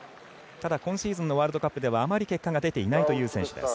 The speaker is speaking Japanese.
ただ、今シーズンのワールドカップではあまり結果が出ていない選手。